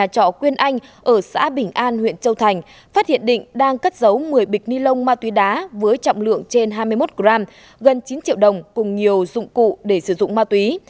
trọ quyên anh ở xã bình an huyện châu thành phát hiện định đang cất giấu một mươi bịch ni lông ma túy đá với trọng lượng trên hai mươi một gram gần chín triệu đồng cùng nhiều dụng cụ để sử dụng ma túy